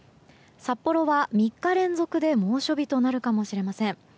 札幌は３日連続で猛暑日となるかもしれません。